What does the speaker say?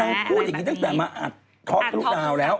พูดอย่างนี้ตั้งแต่มาอัดเคาะลูกดาวแล้ว